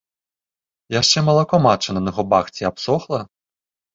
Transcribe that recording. Яшчэ малако матчына на губах ці абсохла.